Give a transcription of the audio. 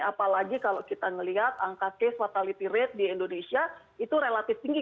apalagi kalau kita melihat angka case fatality rate di indonesia itu relatif tinggi